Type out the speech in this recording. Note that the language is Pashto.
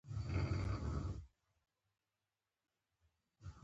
په هغه وخت کې تعصب د فضیلت نښه هم وه.